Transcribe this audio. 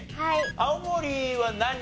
青森は何？